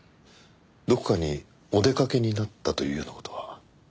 どこかにお出かけになったというような事は？